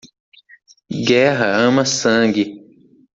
Guerra ama sangue.